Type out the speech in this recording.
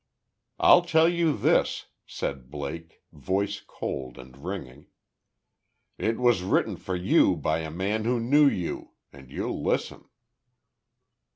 "I'll tell you this," said Blake, voice cold, and ringing. "It was written for you by a man who knew you; and you'll listen."